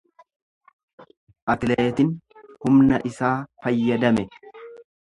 Atleetin humna isaa fayyadame.